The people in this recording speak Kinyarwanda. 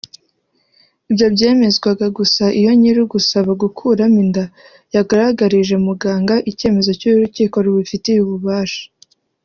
Ibyo byemezwaga gusa iyo nyir’ugusaba gukuramo inda yagaragarije muganga icyemezo cy’urukiko rubifitiye ububasha